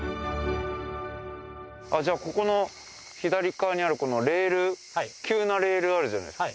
じゃあここの左側にあるこのレール急なレールあるじゃないですか。